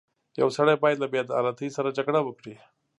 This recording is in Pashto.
• یو سړی باید له بېعدالتۍ سره جګړه وکړي.